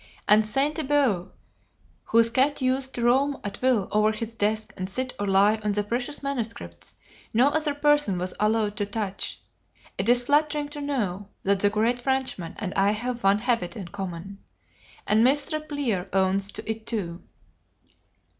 And Sainte Beuve, whose cat used to roam at will over his desk and sit or lie on the precious manuscripts no other person was allowed to touch; it is flattering to know that the great Frenchman and I have one habit in common; and Miss Repplier owns to it too.